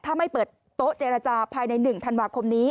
ถ้าไม่เปิดโต๊ะเจรจาภายใน๑ธันวาคมนี้